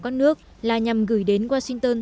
các nước là nhằm gửi đến washington